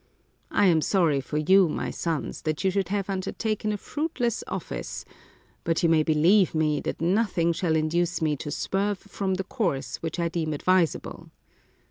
I am sorry for you, my sons, that you should have undertaken a fruitless office ; but you may believe me, that nothing shall induce me to swerve from the course which I deem advis able.